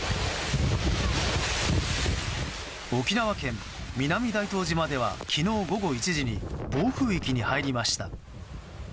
沖縄県南大東島では昨日午後１時に暴風域に入りました。